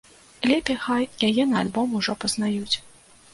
Лепей хай яе на альбоме ўжо пазнаюць.